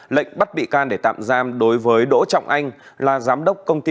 lệnh bắt bị can để tạm giam đối với đỗ trọng anh là giám đốc công ty